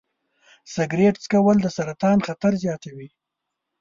سګرټ څکول د سرطان خطر زیاتوي.